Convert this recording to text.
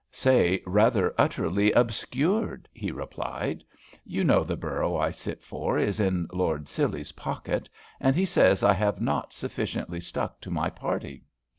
"Say rather utterly obscured," he replied. "You know the borough I sit for is in Lord Scilly's pocket, and he says I have not sufficiently stuck to my party.